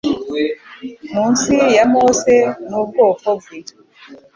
Munsi ya Mose n’ubwoko bwe